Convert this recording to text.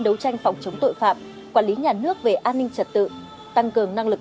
đấu tranh phòng chống tội phạm quản lý nhà nước về an ninh trật tự tăng cường năng lực